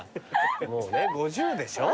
もうね５０でしょ？